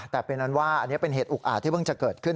แต่เป็นอันว่าอันนี้เป็นเหตุอุกอาจที่เพิ่งจะเกิดขึ้น